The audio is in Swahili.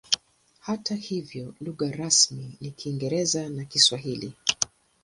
Hata hivyo lugha rasmi ni Kiingereza na Kiswahili.